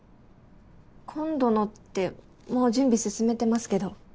今度のってもう準備進めてますけど。